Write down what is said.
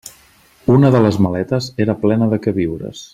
Una de les maletes era plena de queviures.